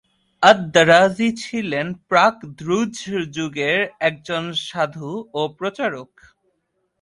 আদ-দারাজী ছিলেন প্রাক দ্রুজ যুগের একজন সাধু ও প্রচারক।